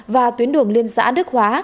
và tuyến đường liên xã đức hóa